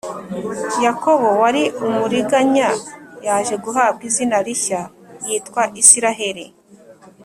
yakobo wari umuriganya yaje guhabwa izina rishya yitwa isiraheli